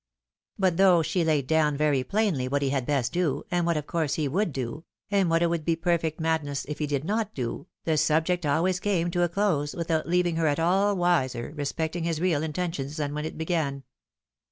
But though she laid down very plainly what he had 194 THE WIDOW MARRIED. best do — and what of course he would do — and what it would be perfect madness if he did not do, the subject always came to a close without leaving her at aU wiser respecting his real inten tions than when it began.